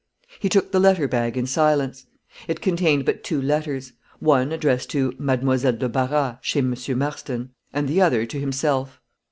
He took the letter bag in silence. It contained but two letters one addressed to "Mademoiselle de Barras, chez M. Marston," and the other to himself.